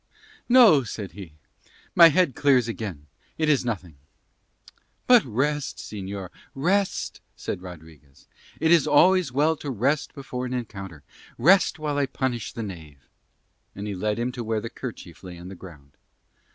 "No, no," said he. "My head clears again. It is nothing." "But rest, señor, rest," said Rodriguez. "It is always well to rest before an encounter. Rest while I punish the knave." And he led him to where the kerchief lay on the ground.